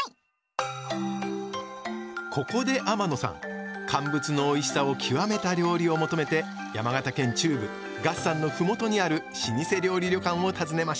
ここで天野さん乾物のおいしさを極めた料理を求めて山形県中部月山の麓にある老舗料理旅館を訪ねました